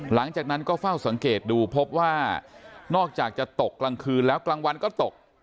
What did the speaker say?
หลังจากนั้นก็เฝ้าสังเกตดูพบว่านอกจากจะตกกลางคืนแล้วกลางวันก็ตก